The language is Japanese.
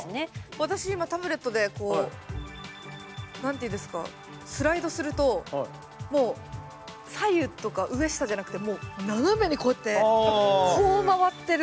私今タブレットでこう何て言うんですかスライドするともう左右とか上下じゃなくて斜めにこうやってこう回ってる。